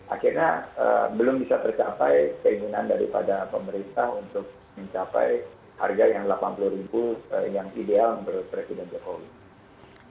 akhirnya belum bisa tercapai keinginan daripada pemerintah untuk mencapai harga yang rp delapan puluh yang ideal menurut presiden jokowi